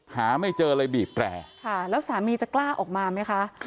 หาไม่เจอเลยบีบแตรค่ะแล้วสามีจะกล้าออกมาไหมคะ